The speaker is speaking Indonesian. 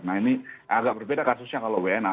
nah ini agak berbeda kasusnya kalau wna